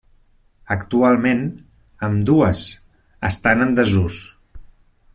Actualment, ambdues, estan en desús.